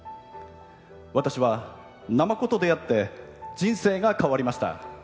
私はナマコと出会って人生が変わりました。